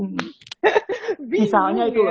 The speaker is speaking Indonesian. sayangnya kita gak tahu siapa orangnya yang harus dihubungi